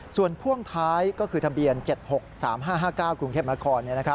ส่วนพ่วงท้ายก็คือทะเบียน๗๖๓๕๕๙กรุงเทพนคร